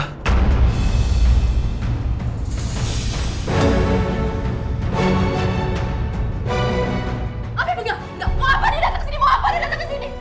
hapim mau apa dia datang kesini